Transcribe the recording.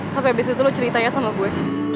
tapi abis itu lo ceritanya sama gue